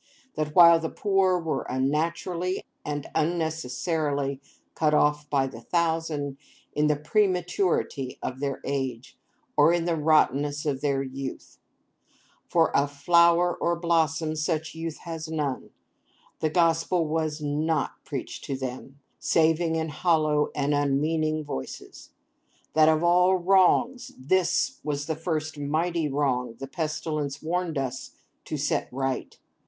That while the poor were unnaturally and unnecessarily cut off by the thousand, in the prematurity of their age, or in the rottenness of their youth—for of flower or blossom such youth has none—the Gospel was NOT preached to them, saving in hollow and unmeaning voices. That of all wrongs, this was the first mighty wrong the Pestilence warned us to set right.